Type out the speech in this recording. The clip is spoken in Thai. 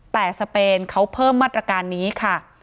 แต่สเปนเขาเพิ่มมาตรการนี้ค่ะ